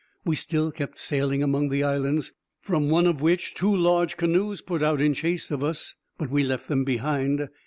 We still kept sailing among the islands, from one of which two large canoes put out in chase of us; but we left them behind.